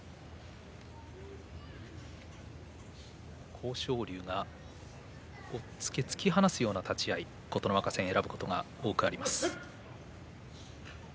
豊昇龍が押っつけ突き放すような立ち合い琴ノ若戦でよくあります。